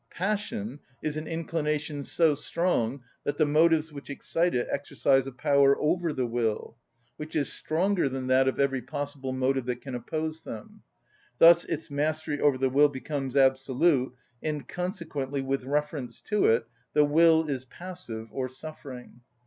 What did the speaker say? Passion is an inclination so strong that the motives which excite it exercise a power over the will, which is stronger than that of every possible motive that can oppose them; thus its mastery over the will becomes absolute, and consequently with reference to it the will is passive or suffering.